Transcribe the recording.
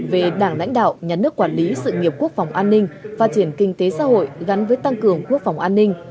về đảng lãnh đạo nhà nước quản lý sự nghiệp quốc phòng an ninh phát triển kinh tế xã hội gắn với tăng cường quốc phòng an ninh